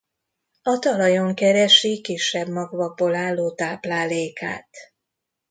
A talajon keresi kisebb magvakból álló táplálékát.